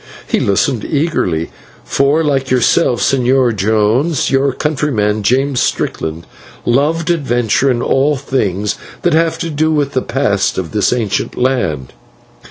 He listened eagerly, for, like yourself, Señor Jones, your countryman, James Strickland, loved adventure and all things that have to do with the past of this ancient land.